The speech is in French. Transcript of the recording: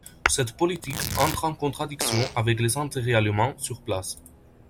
Cette politique entre en contradiction avec les intérêts allemands sur place.